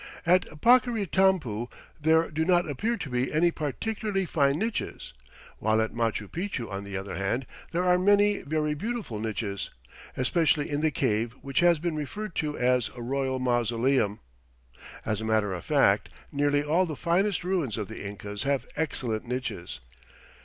At Paccaritampu there do not appear to be any particularly fine niches; while at Machu Picchu, on the other hand, there are many very beautiful niches, especially in the cave which has been referred to as a "Royal Mausoleum." As a matter of fact, nearly all the finest ruins of the Incas have excellent niches.